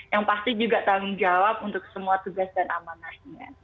yang pasti juga tanggung jawab untuk semua tugas dan amanahnya